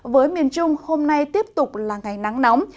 với miền trung hôm nay tiếp tục là ngày nắng nóng